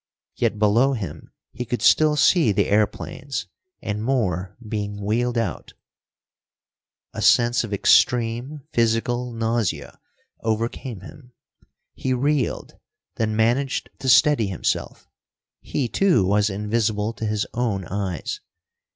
Yet below him he could still see the airplanes, and more being wheeled out. A sense of extreme physical nausea overcame him. He reeled, then managed to steady himself. He, too, was invisible to his own eyes.